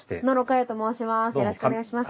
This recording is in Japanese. よろしくお願いします。